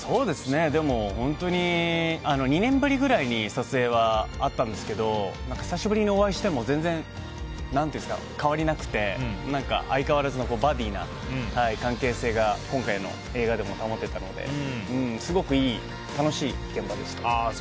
本当に２年ぶりぐらいに撮影はあったんですけど久しぶりにお会いしても全然変わりなくて相変わらずのバディな関係性が今回の映画でも保てたのですごく楽しい現場でした。